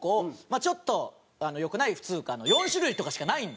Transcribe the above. あちょっと良くない普通科の４種類とかしかないんで。